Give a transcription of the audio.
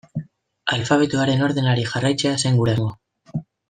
Alfabetoaren ordenari jarraitzea zen gure asmoa.